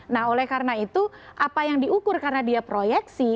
nah oleh karena itu apa yang diukur karena dia proyeksi